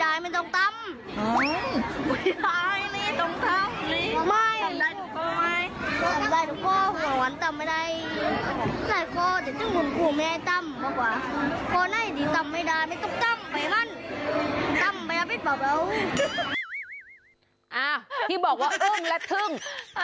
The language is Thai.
อ่ะพี่บอกว่าเอิ้งและทึ่ง